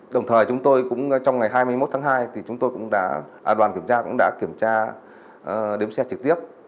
đồng thời chúng tôi cũng trong ngày hai mươi một tháng hai thì chúng tôi cũng đoàn kiểm tra cũng đã kiểm tra đếm xe trực tiếp